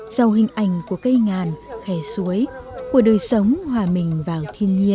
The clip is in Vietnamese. do hình ảnh của cây ngàn khe suối đường sống hòa mình vào thiên nhiên